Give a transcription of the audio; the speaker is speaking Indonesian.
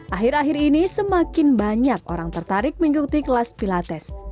akhir akhir ini semakin banyak orang tertarik mengikuti kelas pilates